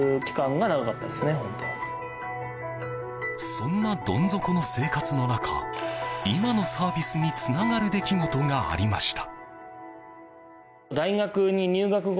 そんな、どん底の生活の中今のサービスにつながる出来事がありました。